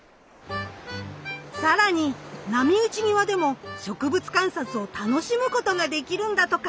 更に波打ち際でも植物観察を楽しむことができるんだとか。